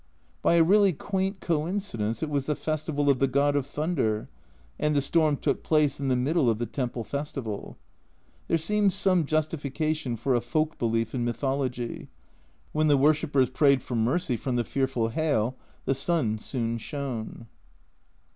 By a really quaint coincidence it was the Festival of the God of Thunder, and the storm took place in the middle of the temple festival. There seems some justification for a folk belief in mythology. When the worshippers prayed for mercy from the fearful hail, the sun soon shone.